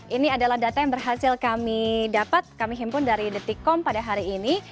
ini adalah data yang berhasil kami dapat kami himpun dari detikom pada hari ini